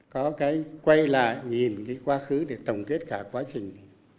có cái quay lại nhìn cái quá khứ để tổng kết cả quá trình